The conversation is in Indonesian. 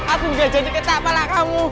aku nggak jadi ketak kepala kamu